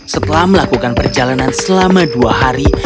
setelah melakukan perjalanan selama dua hari